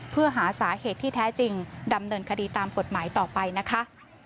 เพื่อหาสาเหตุที่แท้จริงดำเนินคดีตามกฎหมายต่อไปนะคะ